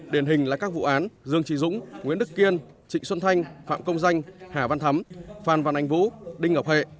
điển hình là các vụ án dương trí dũng nguyễn đức kiên trịnh xuân thanh phạm công danh hà văn thắm phan văn anh vũ đinh ngọc hệ